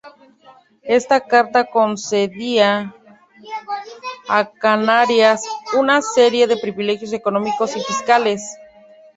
Esta Carta concedía a Canarias una serie de privilegios económicos y fiscales.